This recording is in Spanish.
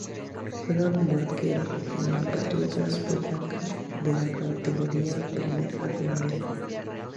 Juega como arquero en el Patriotas Boyacá de la Categoría Primera A colombiana.